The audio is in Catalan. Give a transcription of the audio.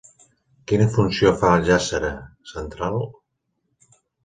Quina funció fa la jàssera central?